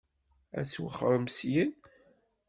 Ad twexxṛem syin?